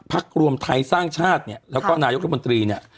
พระพรรครวมไทยสร้างชาติเนี่ยแล้วก็นายกธรรมนตรีเนี้ย